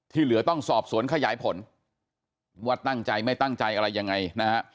เหลือต้องสอบสวนขยายผลว่าตั้งใจไม่ตั้งใจอะไรยังไงนะฮะ